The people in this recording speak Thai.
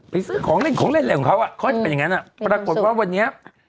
ซื้อของเล่นของเล่นอะไรของเขาอ่ะเขาจะเป็นอย่างนั้นอ่ะปรากฏว่าวันนี้